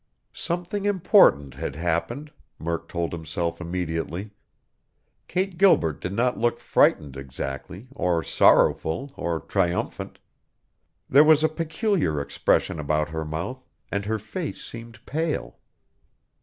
Something important had happened, Murk told himself immediately. Kate Gilbert did not look frightened exactly or sorrowful or triumphant. There was a peculiar expression about her mouth, and her face seemed pale.